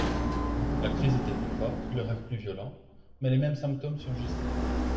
La crise était plus forte, le rêve plus violent, mais les mêmes symptômes surgissaient.